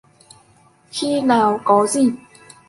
khi nào có dịp